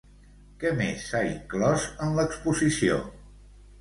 Què més s'ha inclòs en l'exposició?